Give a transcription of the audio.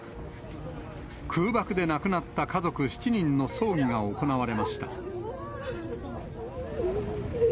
空爆で亡くなった家族７人の葬儀が行われました。